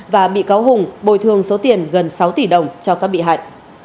và bị cáo hùng bồi thương số tiền gần sáu tỷ đồng cho các bị hại